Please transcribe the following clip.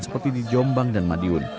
seperti di jombang dan madiun